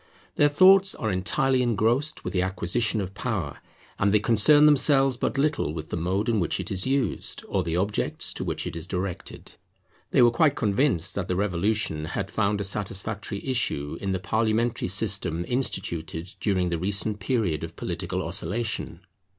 Their thoughts are entirely engrossed with the acquisition of power; and they concern themselves but little with the mode in which it is used, or the objects to which it is directed. They were quite convinced that the Revolution had found a satisfactory issue in the parliamentary system instituted during the recent period of political oscillation.